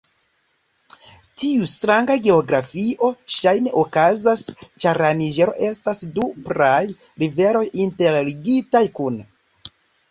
Tiu stranga geografio ŝajne okazas ĉar la Niĝero estas du praaj riveroj interligitaj kune.